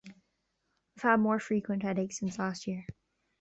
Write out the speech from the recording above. I've had more frequent headaches since last year.